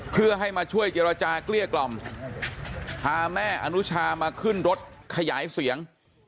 เพื่อให้มาช่วยเจรจาเกลี้ยกล่อมพาแม่อนุชามาขึ้นรถขยายเสียง